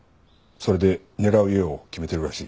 それで狙う家を決めてるらしい。